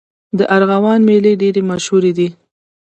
د ارغوان میلې ډېرې مشهورې دي.